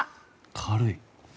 軽い。